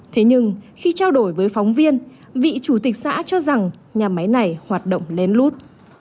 thế nhưng khi trao đổi với phóng viên vị chủ tịch xã cho rằng nhà máy này hoạt động lén lút